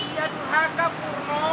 iya purhaka purno